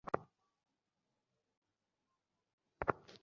আমি বিশ্বাস করতে চেয়েছিলাম যে, তুমি একটু হলেও আলাদা।